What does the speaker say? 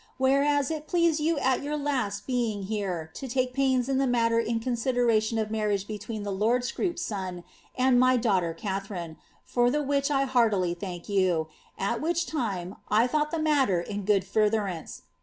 Whereas it pleased you at your last being here io take pains in the matter in consideration of marriage between the lord Snoop s son and my daughter Katharine, for the which I heartily thank you, at vhich time I thought the matter in good furtherance.